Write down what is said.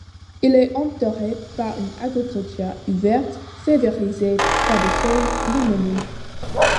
Il est entouré par une agriculture ouverte, favorisée par des sols limoneux.